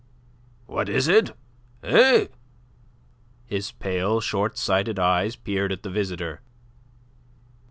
"What is it? Eh?" His pale, short sighted eyes peered at the visitor.